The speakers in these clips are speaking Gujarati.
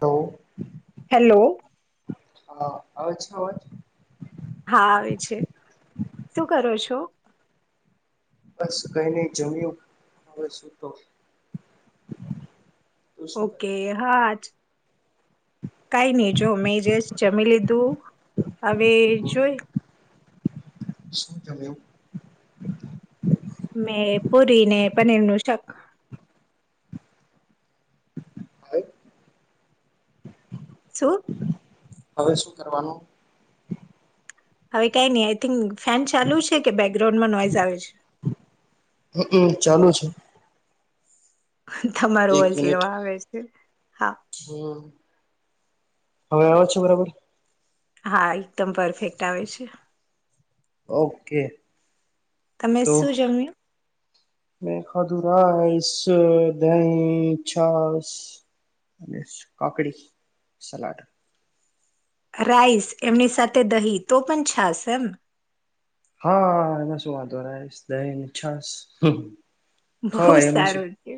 તો હેલો હા આવે છે અવાજ હા આવે છે શું કરો છો. બસ કઈ ની જમ્યું હવે સુુંતો ઓકે હા [inaudible] કઈ નઈ જો મેં જસ્ટ જમી લીધું હવે જોઈ શું જમયુ મેં પુરી ને પનીરનું શાક હવે શું હવે શું કરવાનું હવે કંઈની આઈ થિંક ફેન ચાલુ છે કે બેકગ્રાઉન્ડમાં નોઈઝ આવે છે. હમ અ ચાલુ છે. તમારું એક વોઈશ લો મિનિટ આવે છે હા હમ હવે આવે છે બરાબર હા એકદમ પરફેક્ટ આવે છે. ઓકે તમે તો શું જમ્યું મે ખાધૂરા રાઈસ દહીં છાસ અને કાકડી સલાડ રાઈસ એમની સાથે દહીં તો પણ છાસ એમ હા એમાં શું વાંધો રાઈસ દહીં છાસ બહુ ખવાય એમાં શું સારું છે.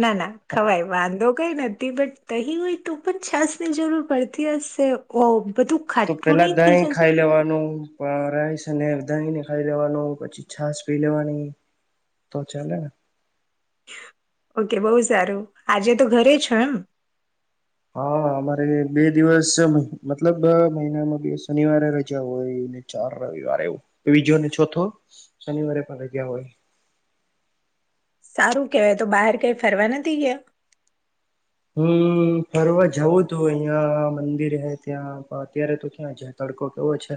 ના ના ખવાય વાંધો કઈ નથી બટ દહીં હોય તો પણ છાસની જરૂર પડતી હશે ઓ બધું તો ખાટું પેલા નહી થઈ દહીં જતું ખાઈ લેવાનું રાઈસને દહીંને ખાઈ લેવાનું પછી છાસ પી લેવાની તો ચાલેને ઓકે બહુ સારું આજે તો ઘરે છો એમ હા અમારે બે દિવસ મતલબ મહિનામાં બે શનિવારે રજા હોય. ચાર રવિવારે એવું બીજોને ચોથો શનિવારે પણ શનિવાર એ પણ રજા હોય. સારું કેવાય તો બહાર કઈ ફરવા નથી ગયા હમ ફરવા જવું તું અહિયાં મંદિર હે ત્યાં અત્યારે તો ક્યાં જતા તડકો કેવો છે.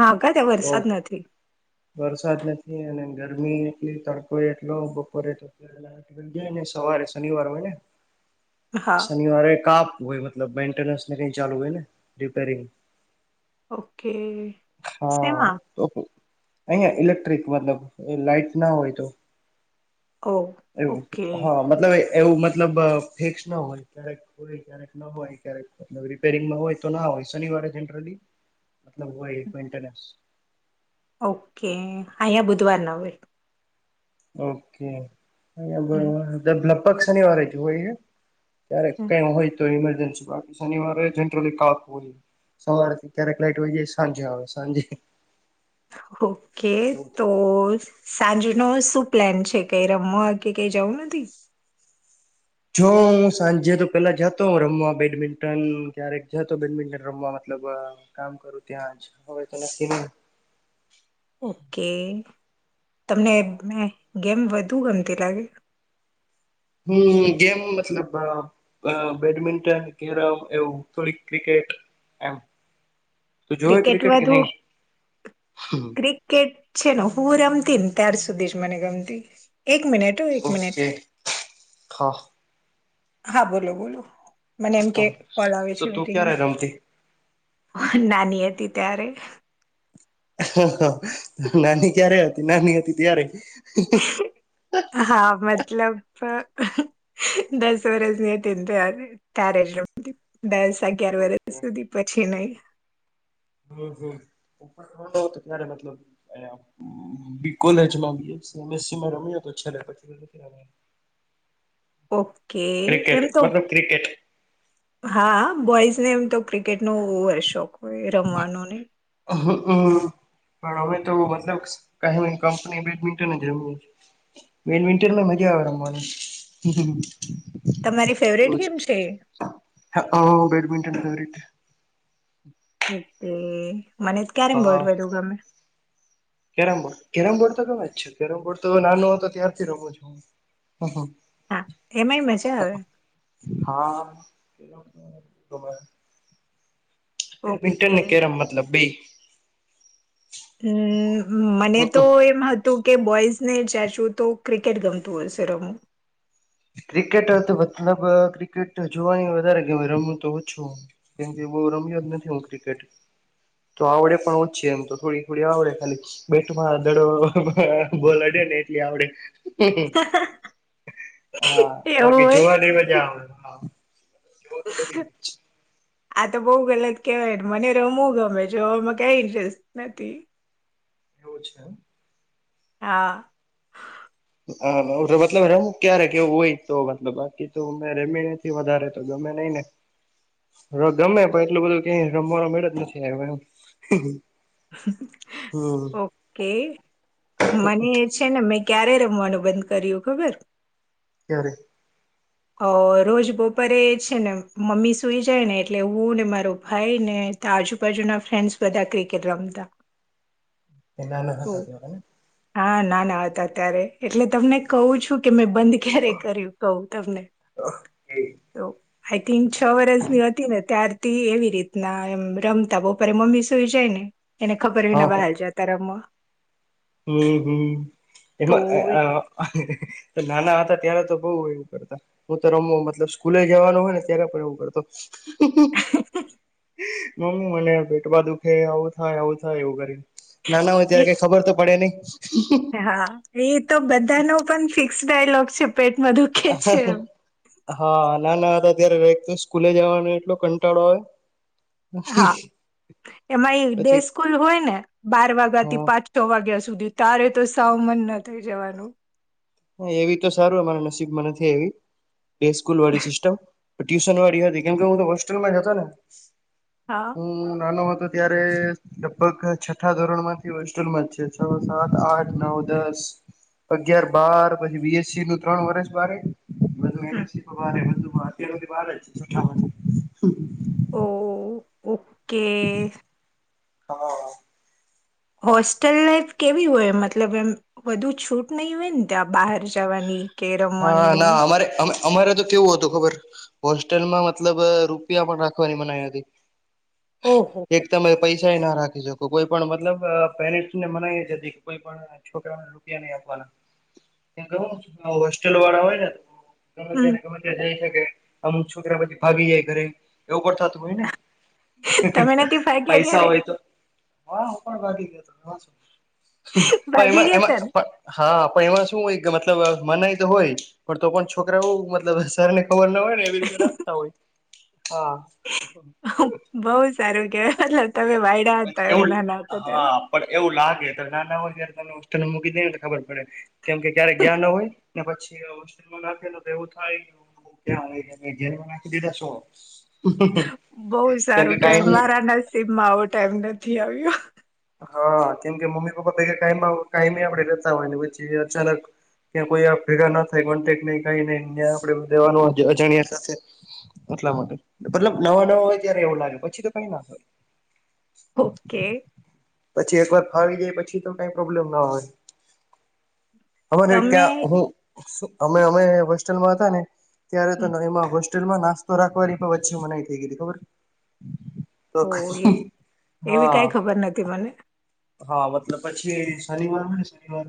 હા ક ત્યાં બહુ વરસાદ નથી વરસાદ નથી અને ગરમી એટલી તડકો એટલો બપોરે તો [unintelligible] સવારે શનિવાર હોય ને હા શનિવારે કાપ મતલબ મેન્ટેસ કામ ચાલુ હોય ને રિપેરિંગ ઓકે હા શેમાં તો અહીયા ઇલેક્ટ્રિક મતલબ લાઈટ ના હોય તો ઓ એવું ઓકે હા મતલબ એવું મતલબ ફીકસ ન હોય ક્યારેક હોય ક્યારેક ન હોય ક્યારેક રિપેરિંગમાં હોય તો ના હોય શનિવાર જનરલી મતલબ હોય મેન્ટેસ ઓકે અયા બુધવારના હોય ઓકે હમ, લગભગ શનિવારે જ હોય છે. ત્યારે હમ. કઈ હોય તો ઇમરજન્સી બાકી શનિવારે જનરલી કાપ હોય. સવારેથી ક્યારેક લઇટ હોય જાય સાંજે આવે સાંજે. ઓકે એવું થાય તો સાંજનુ શું પ્લાન છે કઈ રમવા કે. કે જવું નથી. [inaudible] જો સાંજે તો પેલા જતો રમવા બેડમિન્ટન ક્યારેક જતો બેડમિન્ટન રમવા મતલબ. મતલબ કામ કરું ત્યાં જ હવે તો નક્કી નઈ. ઓકે તમને ગેમ વધુ ગમતી લાગે. હમ ગેમ મતલબ બેડમિન્ટન કેરમ એવું થોડીક ક્રિકેટ. એમ. તું જોવે ક્રિકેટ કે વધુ નહી ક્રિકેટ. છે ને હું રમતી ને ત્યાર સુધી જ મને ગમતી. એક મિનટ હો એક મનિટ. ઓકે હા હા બોલો બોલો. મને એમ કે હા કોલ આવે તો છે તું મીટંગ ક્યારે રમતી નાની હતી. ત્યારે. નાની ક્યારે હતી નાની હતી ત્યારે. હા. મતલબ દસ વર્ષની હતી ત્યારે જ. દસ અગિયાર વર્ષ સુધી પછી નહી. [inaudible] હ તો ત્યારે મતલબ અબી કોલેજમાં. [unintelligible] રમ્યો તો છે પછી. ઓકે ક્રિકેટ એમ તો મતલબ ક્રિકેટ હા બોઈઝ. ને એમ તો ક્રિકેટ ન શોખ હોય રમવાનો ને. હ હમ. પણ હવે તો મતલબ ક કંપની બેડમિન્ટમએ. વેણ વિંન્ટર મજા આવે તમારી ફેવરેટ ગેમ છે એ રમવાની. બેડમિન્ટન. [inaudible] તે મને ક્યારેમ હા વોડવે દું ગમે. કેરમ બોર્ડ કેરમ બોર્ડ તો ગમે જ છે કેરમ બોર્ડ તો નાનો હતો ત્યારથી રમું છું હું. હા એમાંય મજા હ હ આવે હા. બેડમિન્ટન ઓકે ને કેરમ મતલબ બે. [inaudible] હમ મને તો એમ હતું. કે બોઈઝને ચચું તો ક્રિકેટ ગમતું હોય છે રમું. ક્રિકેટ તો મતલબ ક્રિકેટ જોવાની વધારે ગમે રમું તો ઓછું કેમ કે. બોરમી યોજને થવું ક્રિકેટ. તો આવડે પણ ઓછી એમ તો થોડી થોડી આવડે ખાલી બેટમાંડ બોલાડ. એટલી આવડે. હા એવું બાકી હોય જોવા લઈવા જ હા જોવ તો બધી. આ તો બહુ ગલત કેહેવાય મને રમવું ગમે જોવામાં કય ઇન્ટરેસ્ટ નથી. એવું છે એમ. હ [inaudible] હ મતલબ રમું ક્યારે કેવું હોય તો મતલબ બાકી તો રમી નથી વધારે તો ગમે નહી. ગમે પણ એટલું બધું ક રમવાનું મે જ નથી આવ એ. ઓકે મને છે ને મે. ક્યારે રમવાનું બંધ કર્યું ખબર. કેરી. અ રોજ બપોરે છે ને મમ્મી સુઈ જાય ને એટલે હું ને મારો ભાઈને આજુબાજુના ફ્રેન્ડ્સ બધા ક્રિકેટ રમતા. [inaudible] એ નાના તો હતા ત્યારેને. હા, નાના હતા ત્યારે એટલે તમને કઉ છુ કે મેં બંધ ક્યારે કર્યું કઉ તમને. તો આઈ થિંક છ વરસની હતી ને ત્યારથી એવી રીતના એમ રમતા બપરે મમ્મી સૂઈ જાય ને એને ખબર હા વિના બહાર જાતા રમવા. હમ, હમ તો એમાં અ અ નાના હતા ત્યારે તો બઉ એવું કરતા. હું તો રમવુ મતલબ સ્કૂલે જવાનું હોય ને ત્યારે પણ એવું કરતો. [unintelligible] મમ્મી મને ભેટમાં દુખે આવું થાય આવું થાય એવું કરીન. નાના હોય એ ત્યારે કઈ ખબર તો પડે નઈ. હા, એ તો બધાનો પણ ફિક્સ ડાયલોગ છે પેટમાં દુખે છે એમ. હા નાના હતા ત્યારે વેક તો સ્કૂલે જવાનો એટલો કંટાળો આવે. હા, એમાં એ ડે પછી સ્કૂલ હોય ને બાર વાગ્યા થી હા પાંચ-છ વાગ્યા સુધી સુધી તારે તો સાવ મન ન થઈ જવાનું. હન, એવી તો સારું અમારા નસીબમાં નથી આઈવી. એ સ્કૂલવાળી સિસ્ટમ ટ્યુશનવાળી હતી કેમ કે હું તો હોસ્ટેલમાં રેતો ને. હા હુ નાનો હતો અત્યારે લગભગ છઠ્ઠા ધોરણ માંથી હોસ્ટેલમાં જ છે. છ, સાત, આઠ, નવ, દસ. અગિયાર, બાર પછી બીએસસીનું ત્રણ વર્ષ બારે. બધુ હમ એમએસસી તો બારે બધુ. તો અત્યાર હુધી બાર જ. જૂઠાવાની ઓ, ઓકે. હન હોસ્ટેલ લાાઈફ કેવી હોય મતલબ એમ વધુ છૂટ નઈ હોય ન ત્યાં બહાર જાવાની. હા, ના અમારે અમે અમારે તો કેવું હતું ખબર હોસ્ટેલમાં મતલબ રૂપિયા પણ રાખવાની મનાઈ હતી. ઓહો એક તમે પૈસાય ના રાખી શકો. કોઈ પણ મતલબ પેરેન્ટસને મનાય જ હતી કે કોઈ પણ છોકરાને રૂપિયા આપવાના. [unintelligible] ટલવાળા હોય ને. ગમે ત્યાં હમ ને ગમે ત્યાં જાય શકે. અમુક છોકરા પછી ભાગી જાય ઘરે. એવું કરતા ત હોયને, તમે નથી ભાગ્યા પૈસા ક્યારે હોય તો. હા, હુ પણ ભાગી ગયો તો પણ ભાગી એમાં, ગયા એમાં ત હા પણ એમાં શું હોય કે મતલબ મનાઈ હોય. પણ તો પણ છોકરાવું મતલબ સરને ખબર ન હોય ને એવી રીતે રાખતા હોય. હા. ને બઉુ સારું કેવાય તમે વાયડા હતા [unintelligible] એમ એવું નાના હતા હન પણ એવું લાગ [unintelligible] નાના હોય ત્યાર તમને હોસ્ટેલે મૂકી દેન તો ખબર પડે. કેમ કે ક્યારે ત્યારે ગ્યા ન હોય ને પછી નાખેને તો એવું થાય કે ઓહો હો ક્યા આવી ગ્યા કઈ જેલમાં નાખી દીધા શું હવ. બઉ સારું કે મારા નસીબમાં આવો ટાઈમ નથી આવ્યો. હન, કેમ કે મમ્મી-પપ્પા પેલે ટાઈમમાં કાયમી આપડે રેતા હોય પછી અચાનક ત્યાં કોઈ આપ ભેગા ન થાય કોન્ટેક નઈ કઈ ન્યા આપણેે રેવાનું અજાણ્યા સાથે. એટલા માટે. મતલબ નવા-નવા હોય ત્યારે એવું લાગે. પછી તો કઈ ના થા - ઓકે. પછી એકવાર ફાવી જાય પછી તો કઈ પ્રોબ્લેમ ના હોય. અમારે તમે ત્યાં હું અમે અમે હોસ્ટેલમાં હતા ને ત્યારે તો હમ, નવીમાં હો હોસટેલમાં નાસ્તો રાખવાની પણ વચ્ચી મનાઈ થઈ ગય ખબર તો ઓ એ એવી હા કઈ ખબર નથી મને હા મતલબ પછી શનિવાર હોય ને શનિવાર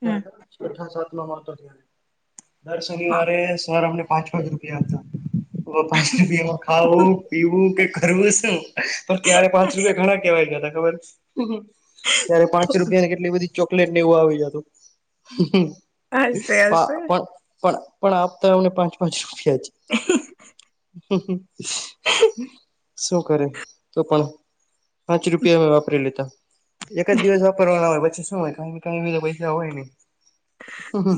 હમ છઠ્ઠા સાતમા મા હતો. દર હા શનિવારે સર અમને પાંચ પાંચ રૂપિયા આપતા તો પછી બી એમાં ખાવું પીવું કે કરવું શું પણ ત્યારે પાંચ રૂપિયા ઘણા કેવાય ગયા હતા ખબર ત્યારે પાંચસ રૂપિયાની કેટલી બધી ચોકલેટ ને એવું આવી જતું હશે હશે પણ પણ પણ આપતા અમને પાંચ પાંચ રૂપિયા છે. શું કરે તો પણ પાંચ રૂપિયા મે વાપરી લેતા એક જ દિવસ વાપરવાના હોય પછી શું હોય કઈને કઈ બીજા પૈસા હોય ની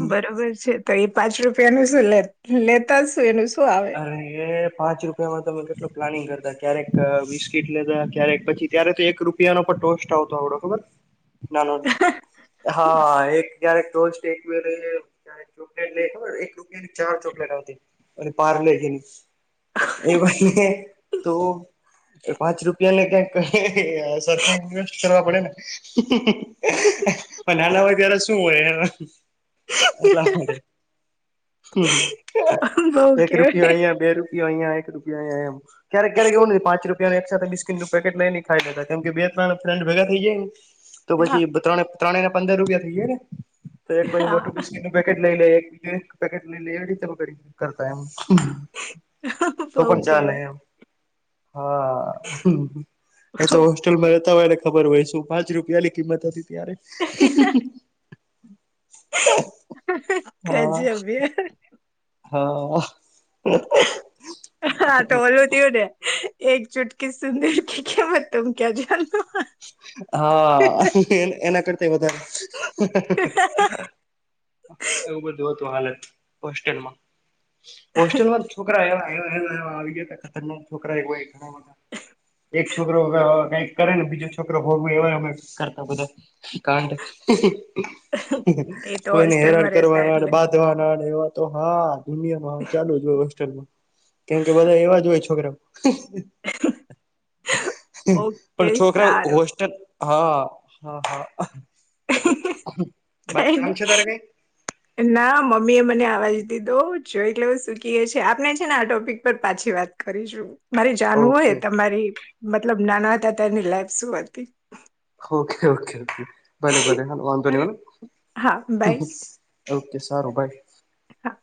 બરોબર છે તો એ પાંચ રૂપિયાનું શું લે લેતા જ શું એનું શું આવે અ એ પાંચ રૂપિયામાં તમે પ્લાનિંગ કરતા ક્યારેક બિસ્કીટ લેતા ક્યારેક પછી ત્યારે તો એક રૂપિયાનો પણ ટોસ્ટ આવતો આવડો ખબર નાનો હા એક ક્યારે ટોસ [unintelligible] અને પારલે છે એ તો પાંચ રૂપિયાને ક્યાક સરખા ઇન્વેસ્ટ કરવા પડે ને પણ નાના હોય ત્યારે શું હોય એટલા માટે હમ બઉ એક રૂપિયો કેવાય અહિયાયા બે રૂપિયો અહીયાયા એક રૂપયો અયા એમ ક્યારેક ક્યારેક એવું નથી પાચ રૂપયો એક સાથે બીસ્કીટ પેકેટ લઈને ખાઈ લેતા કેમ કે બે ત્રણ ફ્રેન્ડ ભગા થઈ જાય ને તો હા પછી ત્રણે ત્રણે પંદર રૂપિયા થઈએે ને તો એક પછી મોટું હા બિસ્કીટનું પેકેટ લઈ લે એક એક પેકેટ લઈ લે એ રીતે પકેટ કરતા એમ તો બઉ પણ ચાલ એ કેવાય એમ હા એ બઉ તો હોસ્ટેલમાં રહેતા હોય ને ખબર હોય શું પાંચ રૂપિયાની કિંમત હતી ત્યારે કજ હા અભ્ય હા હા તો ઓલું તયું ને એકજુટ કે સુુંદર કે ખમત તુંમ ક્યા જાનો હા એના કરતા વધારે એવું બધું હતું હાલત હોસ્ટેલમાં હોસ્ટેલમાં છોકરા એવા આવી ગયો ખતરનાક છોકરા ઘણાધા એક છોકરો કઈક કરે ને બીજો છોકરો ભોગવું એવા અમે કરતા બધા કાંડ એ તો કોઈને હેરાન હોસ્ટેલમાં રહેતા કરવાના એટલે બાંધવાના ને એવા તો તો હા દુનિયામાં ચાલુ જ હોય હોસ્ટલમાં કેમકે બધા એવા જ હોય છોકરા પણ ઓકે છોકરાઓ સારું હોસ્ટસ્ટલ હા હા હા બાકી કઈ કામ નહી છે તારે કઈ ના મમ્મી એ મને આવાજ દીધો દઉ જો એટલે હું સુકી એ છે આપણે છે ને આ ટોપિક પર પાછી વાત કરીશું. મારે જાણવું હોય ઓકે તમારી મતલબ નાના હતા ત્યારની લાઈફ શું હતી. ઓકે ઓકે ઓ ભલે ભલે હ વાંધંધો અરે નલો હા ઓકે સારું બાઈ હા